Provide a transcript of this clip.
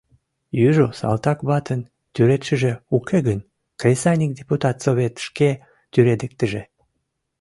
Южо салтак ватын тӱредшыже уке гын, Кресаньык Депутат Совет шке тӱредыктыже.